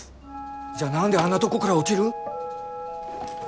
じゃあ何であんなとこから落ちる？